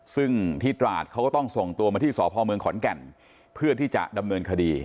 ซึ่งที่ตราดเขาก็ต้องส่งตัวมาที่สพเมืองขอนแก่นเพื่อที่จะดำเนินคดี